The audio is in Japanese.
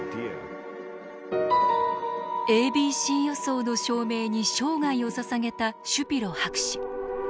ａｂｃ予想の証明に生涯をささげたシュピロ博士。